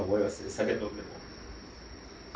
酒飲んでも。